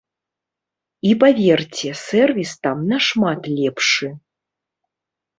І паверце, сэрвіс там на шмат лепшы.